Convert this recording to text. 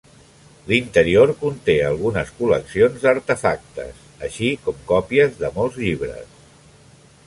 L'interior conté algunes col·leccions d'artefactes, així com còpies de molts llibres.